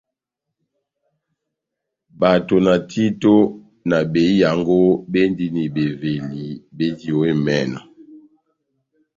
Bato, na títo, na behiyango béndini beveli béji ó emɛnɔ.